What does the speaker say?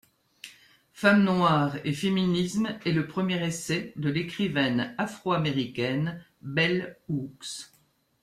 Femmes noires et féminisme est le premier essai de l'écrivaine afro-américaine Bell Hooks.